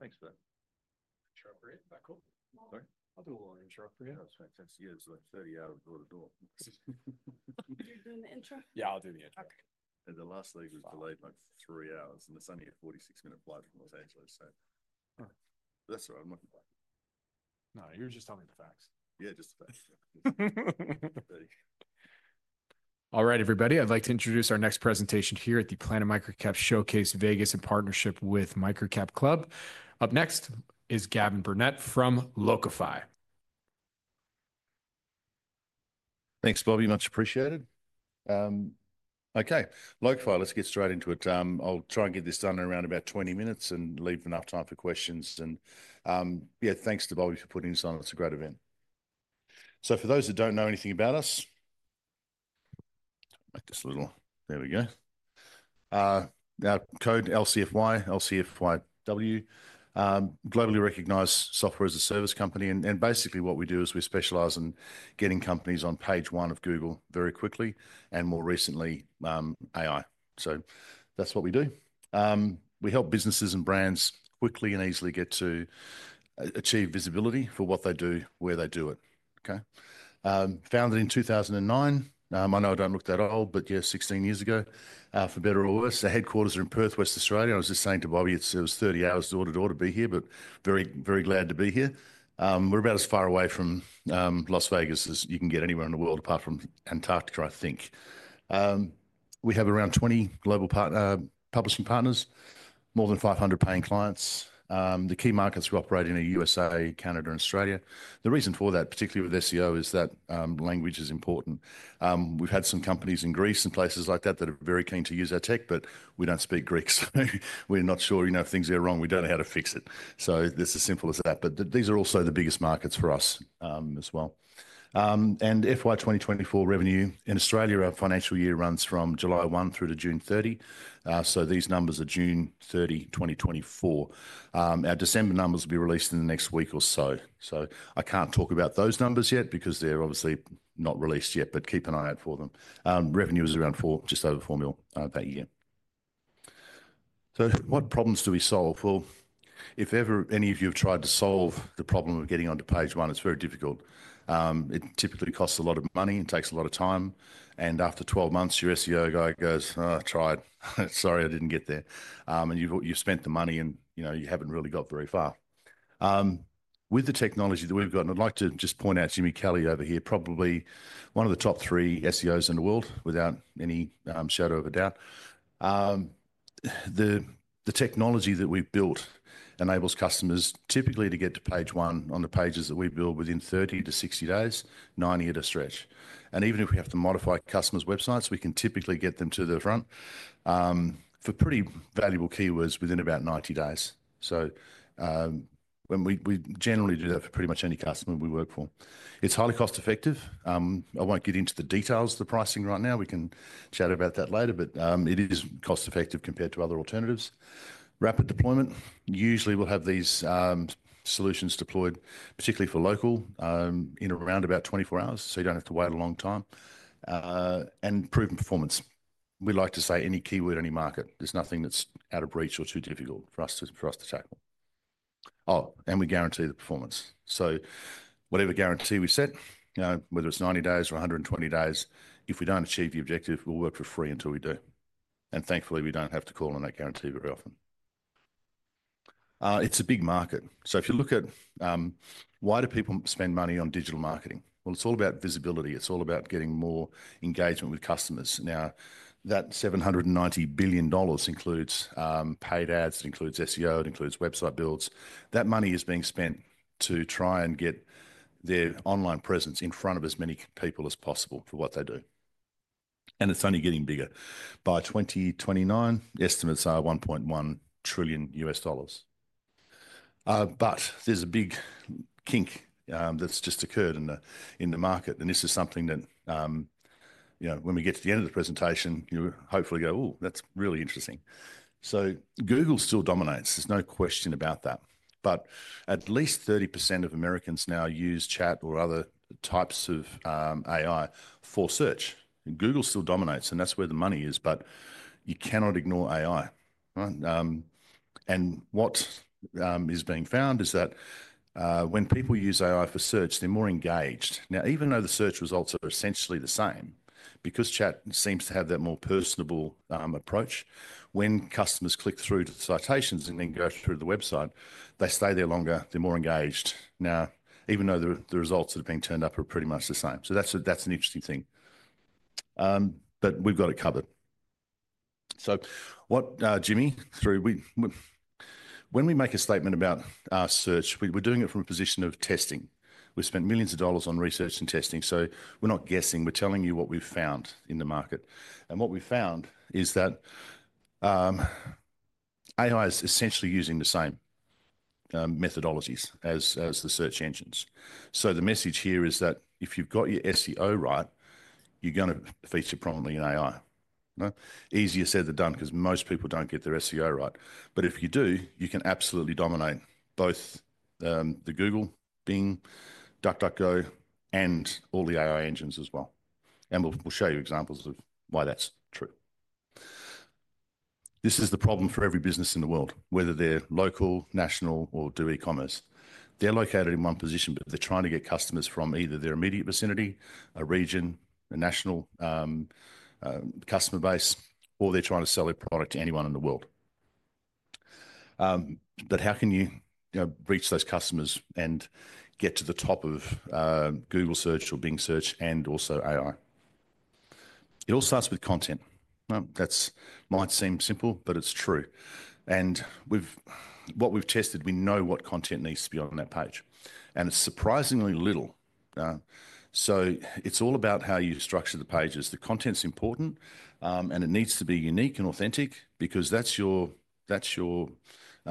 Thanks for that. Interrupt for a bit? I'll do a little interrupt for you. That's fantastic. Yeah, it's like 30 hours before the door. You're doing the intro? Yeah, I'll do the intro. Okay. The last leg was delayed by three hours, and it's only a 46-minute flight from Los Angeles, so. All right. That's what I'm looking for. No, you're just telling me the facts. Yeah, just the facts. All right, everybody, I'd like to introduce our next presentation here at the Planet Microcap Showcase Vegas in partnership with MicroCap Club. Up next is Gavin Burnett from Locafy. Thanks, Bobby. Much appreciated. Okay, Locafy, let's get straight into it. I'll try and get this done in around about 20 minutes and leave enough time for questions. Yeah, thanks to Bobby for putting this on. It's a great event. For those that don't know anything about us, make this a little—there we go. Our code, LCFY, LCFYW, globally recognized software as a service company. Basically what we do is we specialize in getting companies on page one of Google very quickly, and more recently, AI. That's what we do. We help businesses and brands quickly and easily get to achieve visibility for what they do, where they do it. Okay? Founded in 2009. I know I don't look that old, but yeah, 16 years ago, for better or worse. The headquarters are in Perth, West Australia. I was just saying to Bobby it was 30 hours door-to-door to be here, but very, very glad to be here. We're about as far away from Las Vegas as you can get anywhere in the world apart from Antarctica, I think. We have around 20 global publishing partners, more than 500 paying clients. The key markets we operate in are U.S.A., Canada, and Australia. The reason for that, particularly with SEO, is that language is important. We've had some companies in Greece and places like that that are very keen to use our tech, but we don't speak Greek, so we're not sure if things go wrong. We don't know how to fix it. It's as simple as that. These are also the biggest markets for us as well. FY2024 revenue in Australia, our financial year runs from July 1 through to June 30. These numbers are June 30, 2024. Our December numbers will be released in the next week or so. I can't talk about those numbers yet because they're obviously not released yet, but keep an eye out for them. Revenue is around just over 4 mil that year. What problems do we solve? If ever any of you have tried to solve the problem of getting onto page one, it's very difficult. It typically costs a lot of money. It takes a lot of time. After 12 months, your SEO guy goes, "I tried. Sorry, I didn't get there." You've spent the money and you haven't really got very far. With the technology that we've got, and I'd like to just point out Jimmy Kelly over here, probably one of the top three SEOs in the world without any shadow of a doubt. The technology that we've built enables customers typically to get to page one on the pages that we build within 30 days-60 days, 90 days at a stretch. Even if we have to modify customers' websites, we can typically get them to the front for pretty valuable keywords within about 90 days. We generally do that for pretty much any customer we work for. It's highly cost-effective. I won't get into the details of the pricing right now. We can chat about that later, but it is cost-effective compared to other alternatives. Rapid deployment. Usually, we'll have these solutions deployed, particularly for local, in around about 24 hours, so you don't have to wait a long time. Proven performance. We like to say any keyword, any market, there's nothing that's out of reach or too difficult for us to tackle. Oh, and we guarantee the performance. Whatever guarantee we set, whether it's 90 days or 120 days, if we don't achieve the objective, we'll work for free until we do. Thankfully, we don't have to call on that guarantee very often. It's a big market. If you look at why do people spend money on digital marketing, it's all about visibility. It's all about getting more engagement with customers. Now, that 790 billion dollars includes paid ads, it includes SEO, it includes website builds. That money is being spent to try and get their online presence in front of as many people as possible for what they do. It's only getting bigger. By 2029, estimates are $1.1 trillion. There's a big kink that's just occurred in the market. This is something that when we get to the end of the presentation, you'll hopefully go, "Ooh, that's really interesting." Google still dominates. There's no question about that. At least 30% of Americans now use chat or other types of AI for search. Google still dominates, and that's where the money is. You cannot ignore AI. What is being found is that when people use AI for search, they're more engaged. Even though the search results are essentially the same, because chat seems to have that more personable approach, when customers click through to the citations and then go through the website, they stay there longer, they're more engaged. Even though the results that are being turned up are pretty much the same. That is an interesting thing. We've got it covered. What Jimmy, when we make a statement about our search, we're doing it from a position of testing. We've spent millions of dollars on research and testing. We're not guessing. We're telling you what we've found in the market. What we've found is that AI is essentially using the same methodologies as the search engines. The message here is that if you've got your SEO right, you're going to feature prominently in AI. Easier said than done because most people don't get their SEO right. If you do, you can absolutely dominate both the Google, Bing, DuckDuckGo, and all the AI engines as well. We'll show you examples of why that's true. This is the problem for every business in the world, whether they're local, national, or do e-commerce. They're located in one position, but they're trying to get customers from either their immediate vicinity, a region, a national customer base, or they're trying to sell a product to anyone in the world. How can you reach those customers and get to the top of Google search or Bing search and also AI? It all starts with content. That might seem simple, but it's true. What we've tested, we know what content needs to be on that page. It's surprisingly little. It's all about how you structure the pages. The content's important, and it needs to be unique and authentic because that's your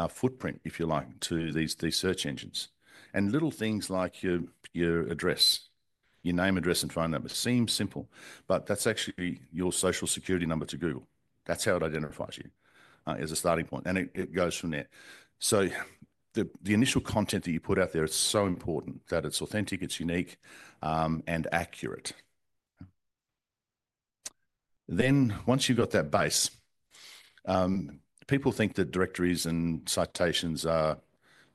footprint, if you like, to these search engines. Little things like your address, your name, address, and phone number seem simple, but that's actually your social security number to Google. That's how it identifies you as a starting point. It goes from there. The initial content that you put out there, it's so important that it's authentic, it's unique, and accurate. Once you've got that base, people think that directories and citations are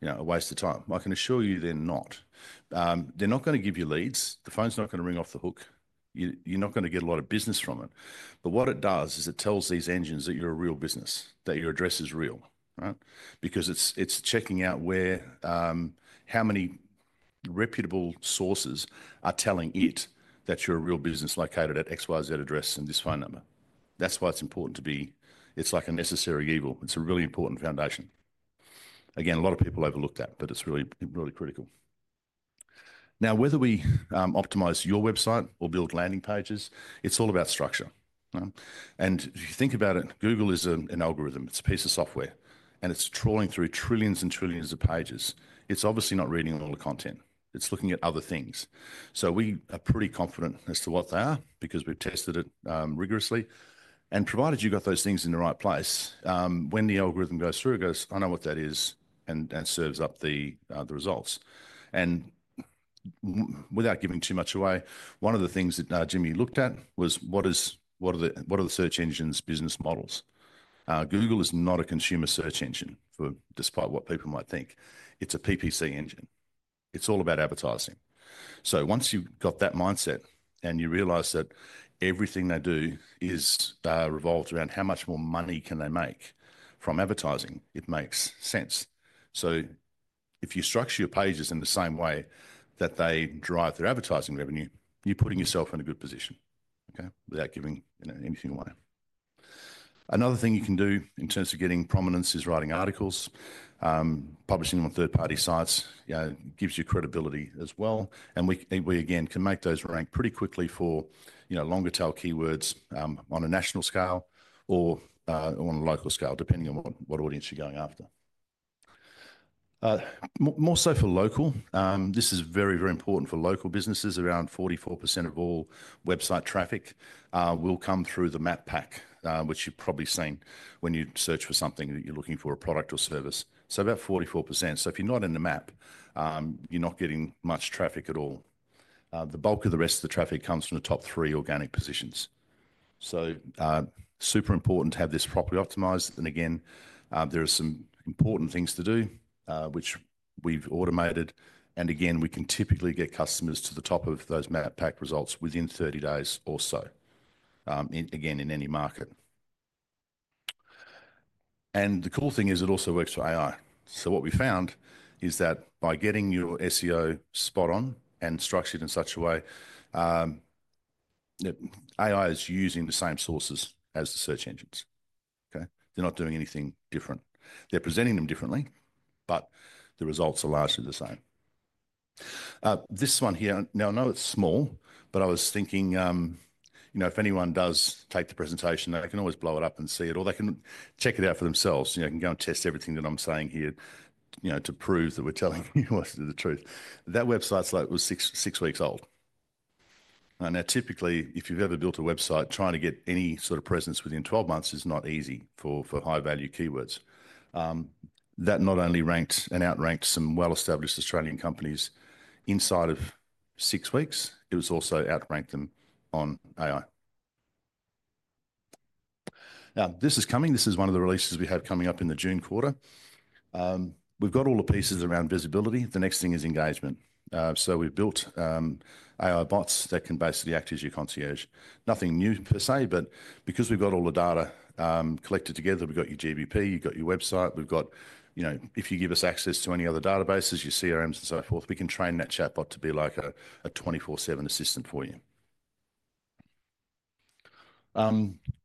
a waste of time. I can assure you they're not. They're not going to give you leads. The phone's not going to ring off the hook. You're not going to get a lot of business from it. What it does is it tells these engines that you're a real business, that your address is real, because it's checking out how many reputable sources are telling it that you're a real business located at XYZ address and this phone number. That's why it's important to be—it's like a necessary evil. It's a really important foundation. Again, a lot of people overlook that, but it's really critical. Now, whether we optimize your website or build landing pages, it's all about structure. If you think about it, Google is an algorithm. It's a piece of software, and it's trawling through trillions and trillions of pages. It's obviously not reading all the content. It's looking at other things. We are pretty confident as to what they are because we've tested it rigorously. Provided you've got those things in the right place, when the algorithm goes through, it goes, "I know what that is," and serves up the results. Without giving too much away, one of the things that Jimmy looked at was, what are the search engines' business models? Google is not a consumer search engine, despite what people might think. It's a PPC engine. It's all about advertising. Once you've got that mindset and you realize that everything they do is revolved around how much more money can they make from advertising, it makes sense. If you structure your pages in the same way that they drive their advertising revenue, you're putting yourself in a good position without giving anything away. Another thing you can do in terms of getting prominence is writing articles, publishing on third-party sites. It gives you credibility as well. We, again, can make those rank pretty quickly for longer-tail keywords on a national scale or on a local scale, depending on what audience you're going after. More so for local, this is very, very important for local businesses. Around 44% of all website traffic will come through the map pack, which you've probably seen when you search for something that you're looking for, a product or service. About 44%. If you're not in the map, you're not getting much traffic at all. The bulk of the rest of the traffic comes from the top three organic positions. Super important to have this properly optimized. There are some important things to do, which we've automated. We can typically get customers to the top of those map pack results within 30 days or so, in any market. The cool thing is it also works for AI. What we found is that by getting your SEO spot on and structured in such a way, AI is using the same sources as the search engines. They're not doing anything different. They're presenting them differently, but the results are largely the same. This one here, now I know it's small, but I was thinking if anyone does take the presentation, they can always blow it up and see it, or they can check it out for themselves. You can go and test everything that I'm saying here to prove that we're telling you most of the truth. That website slate was six weeks old. Now, typically, if you've ever built a website, trying to get any sort of presence within 12 months is not easy for high-value keywords. That not only ranked and outranked some well-established Australian companies inside of six weeks, it also outranked them on AI. Now, this is coming. This is one of the releases we have coming up in the June quarter. We've got all the pieces around visibility. The next thing is engagement. We've built AI bots that can basically act as your concierge. Nothing new per se, but because we've got all the data collected together, we've got your GBP, you've got your website. If you give us access to any other databases, your CRMs and so forth, we can train that chatbot to be like a 24/7 assistant for you.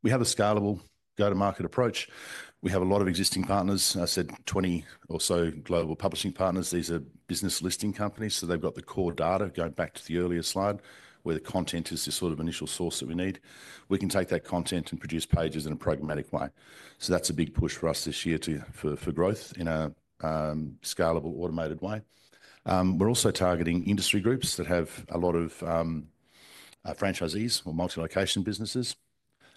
We have a scalable go-to-market approach. We have a lot of existing partners. I said 20 or so global publishing partners. These are business listing companies. They have the core data going back to the earlier slide where the content is the sort of initial source that we need. We can take that content and produce pages in a programmatic way. That is a big push for us this year for growth in a scalable, automated way. We're also targeting industry groups that have a lot of franchisees or multi-location businesses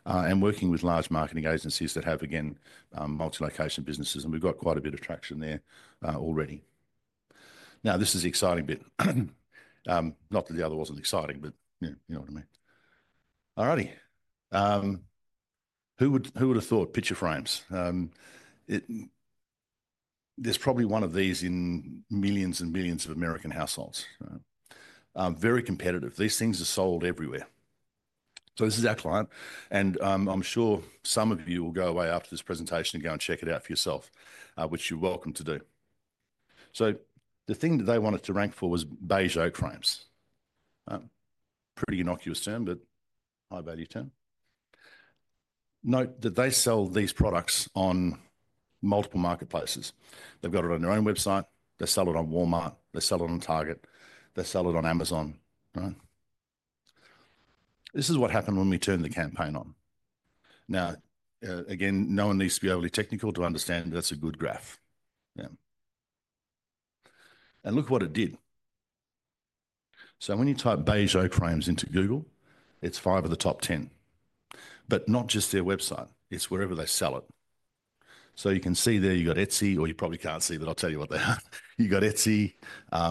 and working with large marketing agencies that have, again, multi-location businesses. We've got quite a bit of traction there already. Now, this is the exciting bit. Not that the other wasn't exciting, but you know what I mean. All righty. Who would have thought picture frames? There's probably one of these in millions and millions of American households. Very competitive. These things are sold everywhere. This is our client. I'm sure some of you will go away after this presentation and go and check it out for yourself, which you're welcome to do. The thing that they wanted to rank for was beige oak frames. Pretty innocuous term, but high-value term. Note that they sell these products on multiple marketplaces. They've got it on their own website. They sell it on Walmart. They sell it on Target. They sell it on Amazon. This is what happened when we turned the campaign on. Now, again, no one needs to be overly technical to understand that's a good graph. Look what it did. When you type beige oak frames into Google, it's five of the top 10. Not just their website. It's wherever they sell it. You can see there you've got Etsy, or you probably can't see that. I'll tell you what they are. You've got Etsy.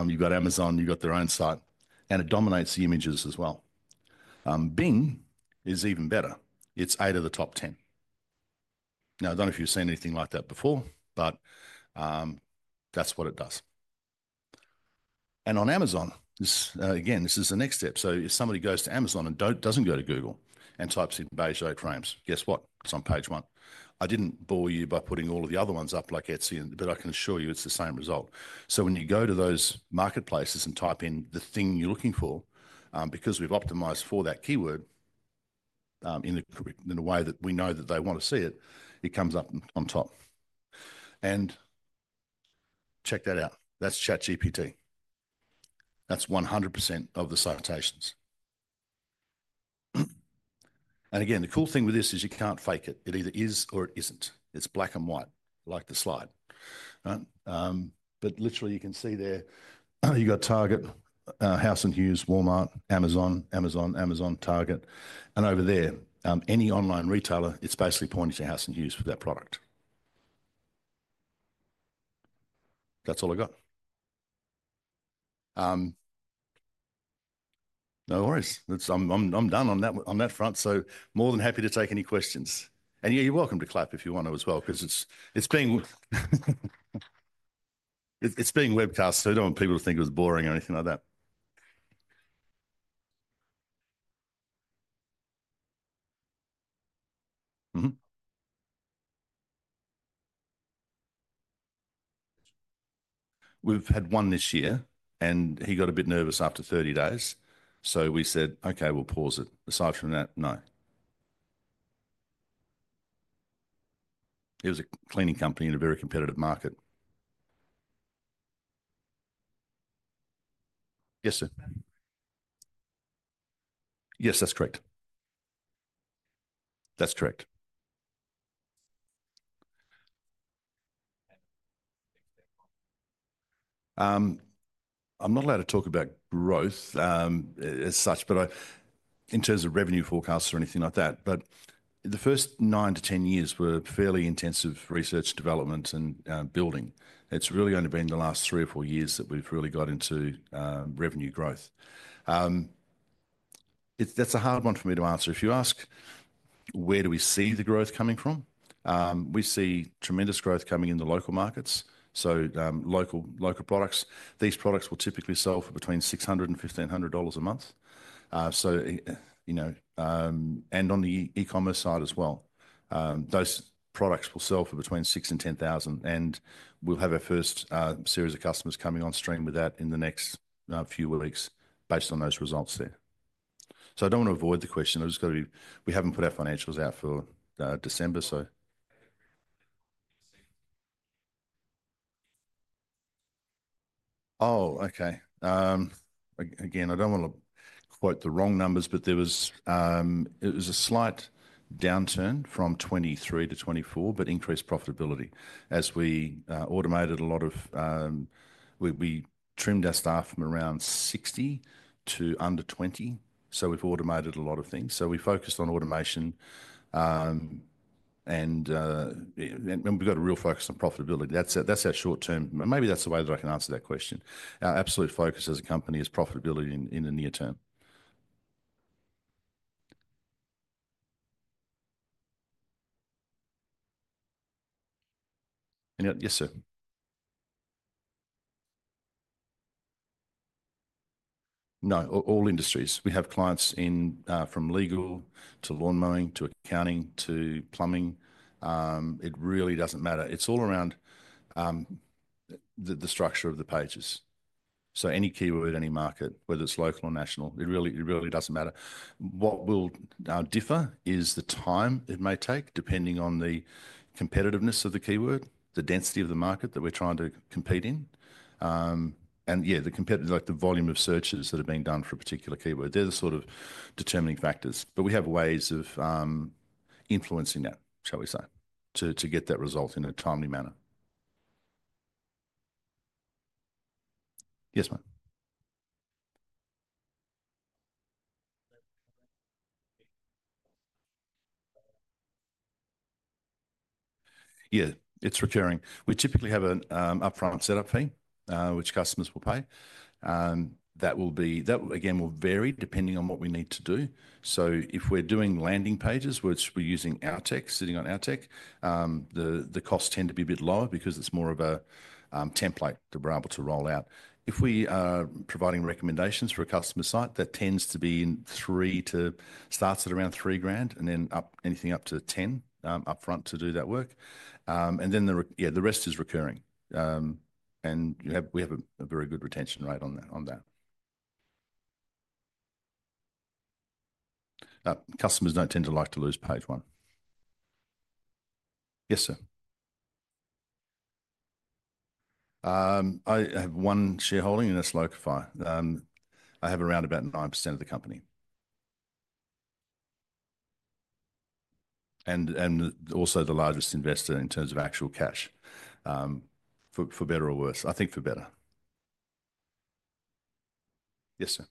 You've got Amazon. You've got their own site. It dominates the images as well. Bing is even better. It's eight of the top 10. I don't know if you've seen anything like that before, but that's what it does. On Amazon, again, this is the next step. If somebody goes to Amazon and doesn't go to Google and types in beige oak frames, guess what? It's on page one. I didn't bore you by putting all of the other ones up like Etsy, but I can assure you it's the same result. When you go to those marketplaces and type in the thing you're looking for, because we've optimized for that keyword in a way that we know that they want to see it, it comes up on top. Check that out. That's ChatGPT. That's 100% of the citations. The cool thing with this is you can't fake it. It either is or it isn't. It's black and white, like the slide. Literally, you can see there, you've got Target, House and Hughes, Walmart, Amazon, Amazon, Amazon, Target. Over there, any online retailer, it's basically pointing to House and Hughes for that product. That's all I got. No worries. I'm done on that front. More than happy to take any questions. You're welcome to clap if you want to as well, because it's being webcast, so I don't want people to think it was boring or anything like that. We've had one this year, and he got a bit nervous after 30 days. We said, "Okay, we'll pause it." Aside from that, no. It was a cleaning company in a very competitive market. Yes, sir. Yes, that's correct. That's correct. I'm not allowed to talk about growth as such, in terms of revenue forecasts or anything like that. The first nine years-10 years were fairly intensive research, development, and building. It's really only been the last three or four years that we've really got into revenue growth. That's a hard one for me to answer. If you ask where do we see the growth coming from, we see tremendous growth coming in the local markets. Local products, these products will typically sell for between 600 and AUD 1,500 a month. On the e-commerce side as well, those products will sell for between 6,000 and 10,000. We'll have our first series of customers coming on stream with that in the next few weeks based on those results there. I don't want to avoid the question. I just got to be—we haven't put our financials out for December, so. Oh, okay. Again, I do not want to quote the wrong numbers, but it was a slight downturn from 2023 to 2024, but increased profitability as we automated a lot of—we trimmed our staff from around 60 to under 20. We have automated a lot of things. We focused on automation. We have a real focus on profitability. That is our short term. Maybe that is the way that I can answer that question. Our absolute focus as a company is profitability in the near term. Yes, sir. No, all industries. We have clients from legal to lawn mowing to accounting to plumbing. It really does not matter. It is all around the structure of the pages. Any keyword, any market, whether it is local or national, it really does not matter. What will differ is the time it may take depending on the competitiveness of the keyword, the density of the market that we're trying to compete in. Yeah, the volume of searches that are being done for a particular keyword. They're the sort of determining factors. We have ways of influencing that, shall we say, to get that result in a timely manner. Yes, ma'am. Yeah, it's recurring. We typically have an upfront setup fee, which customers will pay. That will be, again, will vary depending on what we need to do. If we're doing landing pages, which we're using our tech, sitting on our tech, the costs tend to be a bit lower because it's more of a template that we're able to roll out. If we are providing recommendations for a customer site, that tends to be starts at around 3,000 and then up anything up to 10,000 upfront to do that work. The rest is recurring. We have a very good retention rate on that. Customers do not tend to like to lose page one. Yes, sir. I have one shareholding in Locafy. I have around about 9% of the company. I am also the largest investor in terms of actual cash, for better or worse. I think for better. Yes, sir.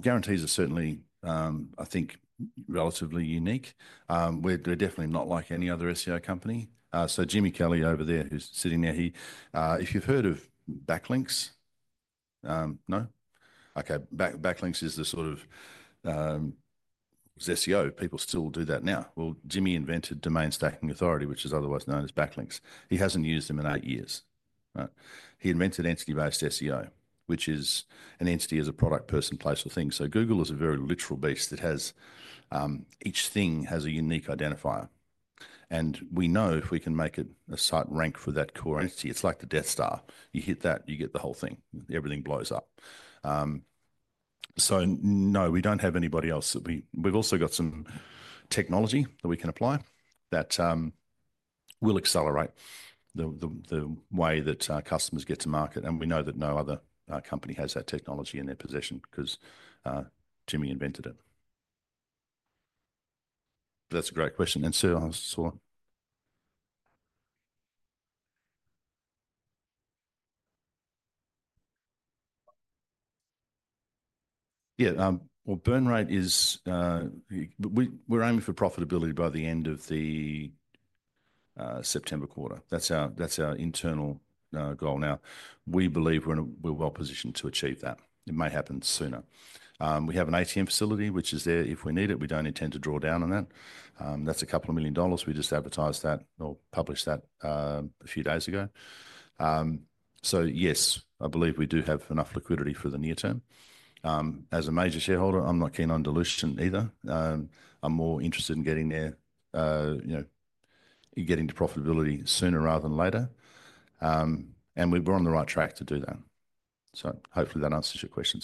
Guarantees are certainly, I think, relatively unique. We are definitely not like any other SEO company. Jimmy Kelly over there who is sitting there, if you have heard of backlinks? No? Okay. Backlinks is the sort of SEO. People still do that now. Jimmy invented domain stacking authority, which is otherwise known as backlinks. He hasn't used them in eight years. He invented entity-based SEO, which is an entity as a product, person, place, or thing. Google is a very literal beast that has each thing has a unique identifier. We know if we can make a site rank for that core entity. It's like the death star. You hit that, you get the whole thing. Everything blows up. No, we don't have anybody else that we've also got some technology that we can apply that will accelerate the way that customers get to market. We know that no other company has that technology in their possession because Jimmy invented it. That's a great question. I saw yeah, burn rate is we're aiming for profitability by the end of the September quarter. That's our internal goal now. We believe we're well positioned to achieve that. It may happen sooner. We have an ACM facility which is there if we need it. We do not intend to draw down on that. That is a couple of million dollars. We just advertised that or published that a few days ago. Yes, I believe we do have enough liquidity for the near term. As a major shareholder, I am not keen on dilution either. I am more interested in getting there and getting to profitability sooner rather than later. We are on the right track to do that. Hopefully that answers your question.